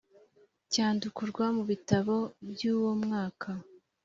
cyandukurwa mu bitabo by uwo mwaka